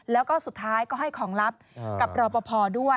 แล้วก็สุดท้ายก็ให้ของลับกับรอปภด้วย